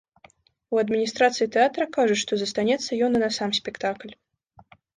У адміністрацыі тэатра кажуць, што застанецца ён і на сам спектакль.